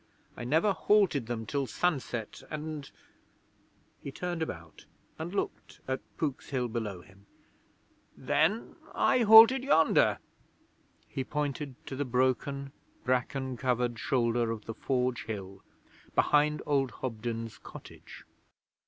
I never halted them till sunset, and' he turned about and looked at Pook's Hill below him 'then I halted yonder.' He pointed to the broken, bracken covered shoulder of the Forge Hill behind old Hobden's cottage.